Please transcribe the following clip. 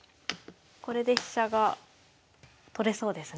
これで飛車が取れそうですね。